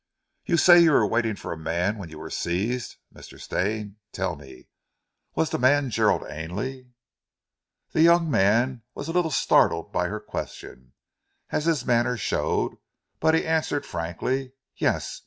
"You say you were waiting for a man when you were seized, Mr. Stane; tell me, was the man Gerald Ainley?" The young man was a little startled by her question, as his manner showed; but he answered frankly: "Yes!